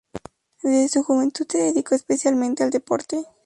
Desde su juventud se dedicó especialmente al deporte.